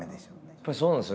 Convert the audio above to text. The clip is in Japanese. やっぱりそうなんですよね。